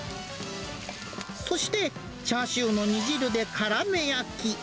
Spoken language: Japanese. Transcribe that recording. そして、チャーシューの煮汁で絡め焼き。